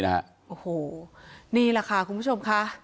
โอ้โหนี่แหละค่ะคุณผู้ชมค่ะ